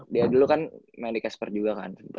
dia dulu kan main di casper juga kan